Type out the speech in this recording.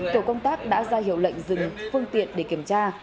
tổ công tác đã ra hiệu lệnh dừng phương tiện để kiểm tra